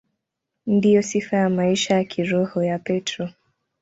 Ndiyo sifa ya maisha ya kiroho ya Petro.